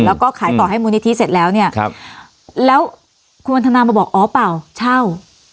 แล้วก็ขายต่อให้มูลนิธิเสร็จแล้วเนี่ยครับแล้วคุณวันทนามาบอกอ๋อเปล่าเช่า